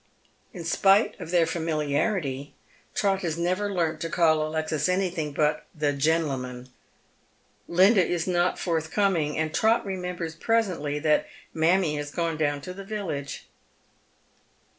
In spite of their familiarity, Trot has never learnt to call Alexis anything but the " genlamum." Linda is not forthcoming, and Trot remembers presently that mammie has gone down to the village.